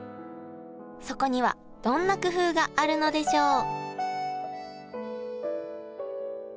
そこにはどんな工夫があるのでしょう？